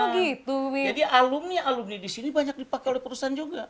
jadi alumni alumni di sini banyak dipakai oleh perusahaan juga